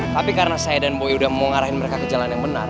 tapi karena saya dan boy udah mau ngarahin mereka ke jalan yang benar